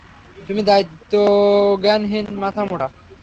তুমি দায়িত্বজ্ঞানহীন, মাথামোটা।